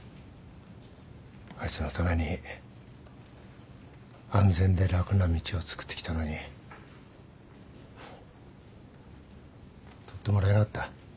あいつのために安全で楽な道をつくってきたのに通ってもらえなかった。